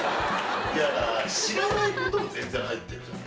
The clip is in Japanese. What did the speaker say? だから知らないことも全然入ってるじゃない。